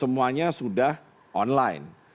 semuanya sudah online